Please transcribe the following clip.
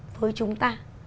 với chúng ta